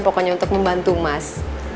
pokoknya untuk membantu mas